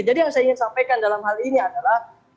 yang saya ingin sampaikan dalam hal ini adalah